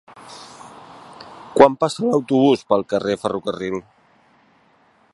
Quan passa l'autobús pel carrer Ferrocarril?